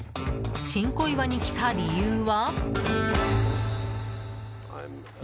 新小岩に来た理由は？